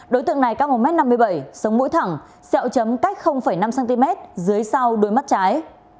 đối tượng này cắt một m năm mươi bảy sống mũi thẳng xẹo chấm cách năm cm dưới sau đôi mắt trái